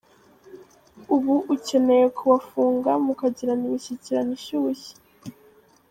ubu ukeneye kubafunga mukagirana imishyikirano ishyushye.